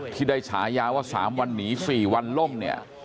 ที่ได้ฉายาว่า๓วันหนี๔วันล่มเนี่ย